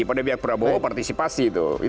pada pihak prabowo partisipasi